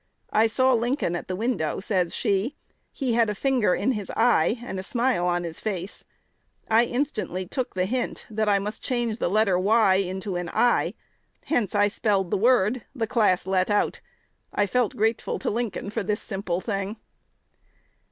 "I saw Lincoln at the window," says she: "he had his finger in his eye, and a smile on his face; I instantly took the hint, that I must change the letter y into an i. Hence I spelled the word, the class let out. I felt grateful to Lincoln for this simple thing."